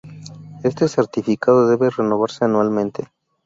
Este certificado debe renovarse anualmente.